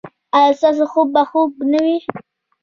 ایا ستاسو خوب به خوږ نه وي؟